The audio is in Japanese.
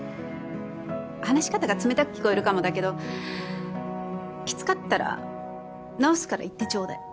話し方が冷たく聞こえるかもだけどきつかったら直すから言ってちょうだい。